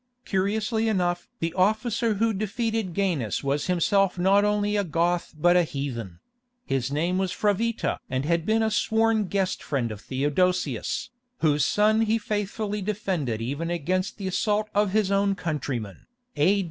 Curiously enough the officer who defeated Gainas was himself not only a Goth but a heathen: he was named Fravitta and had been the sworn guest friend of Theodosius, whose son he faithfully defended even against the assault of his own countrymen, [A.